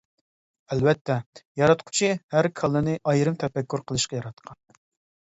ئەلۋەتتە: ياراتقۇچى ھەر كاللىنى ئايرىم تەپەككۇر قىلىشقا ياراتقان.